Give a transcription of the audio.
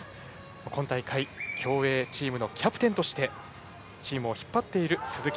今大会、競泳チームのキャプテンとしてチームを引っ張っている鈴木。